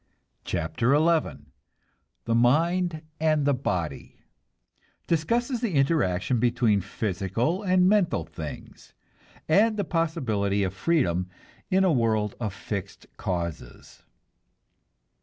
CHAPTER XI THE MIND AND THE BODY (Discusses the interaction between physical and mental things, and the possibility of freedom in a world of fixed causes.)